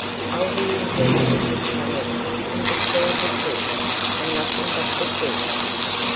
I'll be ingenuous, however, and declare the Truth, and nothing but the Truth.